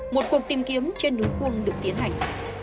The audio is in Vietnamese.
một cuộc tìm kiếm trên núi cuông được tiến hành